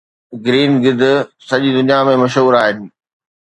green گدھ سڄي دنيا ۾ مشهور آهن